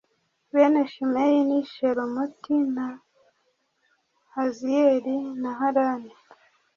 Bene Shimeyi ni Shelomoti na Haziyeli na Harani